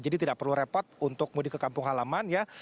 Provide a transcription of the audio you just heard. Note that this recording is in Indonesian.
jadi tidak perlu repot untuk mudik ke kampung halaman ya